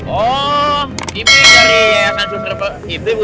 oh ibu dari yayasan suster ibu ya